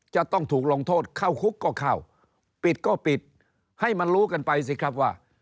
จะต้องถูกลงโทษเข้าคุกก็เข้าปิดก็ปิดให้มันรู้กันไปสิครับว่า